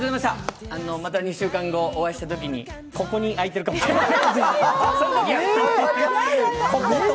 また２週間後、お会いしたときにここに開いてるかもしれません。